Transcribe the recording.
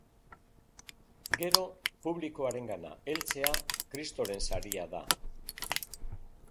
Gero publikoarengana heltzea kristoren saria da.